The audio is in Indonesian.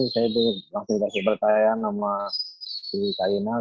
kasih kasih kepercayaan sama si kalinal